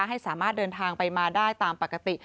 ให้สามารถเดินทางไปมาได้ตามปกติ